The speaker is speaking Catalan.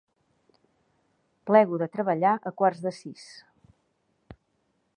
Plego de treballar a quarts de sis.